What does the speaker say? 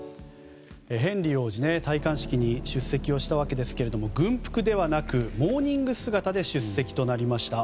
ヘンリー王子、戴冠式に出席したわけですが軍服ではなくモーニング姿で出席となりました。